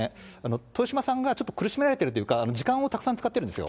豊島さんがちょっと苦しめられているというか、時間をたくさん使ってるんですよ。